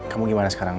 kamu gimana sekarang